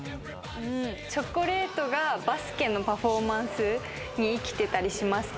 チョコレートがバスケのパフォーマンスに生きてたりしますか？